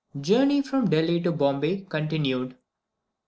JOURNEY FROM DELHI TO BOMBAY CONTINUED.